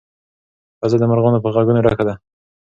فضا د مرغانو په غږونو ډکه ده.